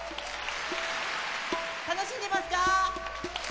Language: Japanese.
楽しんでますか？